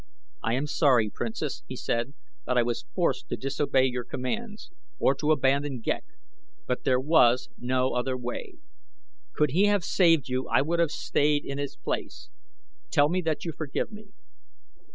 "I am sorry, Princess," he said, "that I was forced to disobey your commands, or to abandon Ghek; but there was no other way. Could he have saved you I would have stayed in his place. Tell me that you forgive me."